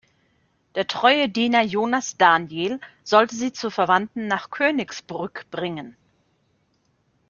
Der treue Diener Jonas Daniel sollte sie zu Verwandten nach Königsbrück bringen.